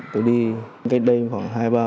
tôi đi cách đây khoảng hai ba hôm